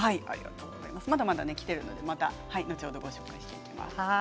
まだまだきているのでまた後ほどご紹介します。